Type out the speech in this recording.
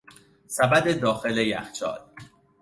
سبد داخل یخچال